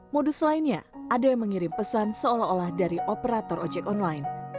modus lainnya ada yang mengirim pesan seolah olah dari operator ojek online